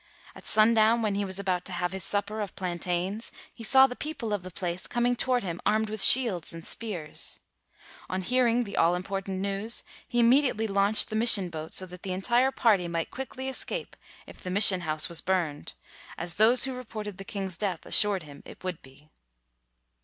At sundown when he was about to have his supper of plantains, he saw the people of the place coming toward him armed with shields and spears. On hearing the all im 198 THREE BOY HEROES portant news, lie immediately launched the mission boat so that the entire party might quickly escaped if the mission house was burned, as those who reported the king's death assured him it would be.